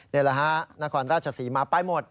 เนลฮานครราชศรีมาไปหมด